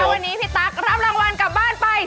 วันนี้พี่ตั๊กรับรางวัลกลับบ้านไป